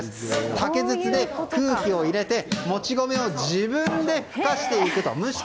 竹筒で空気を入れてもち米を自分で蒸していくと。